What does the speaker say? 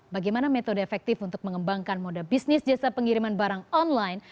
bagaimana metode efektif untuk mengembangkan moda bisnis jasa pengiriman barang online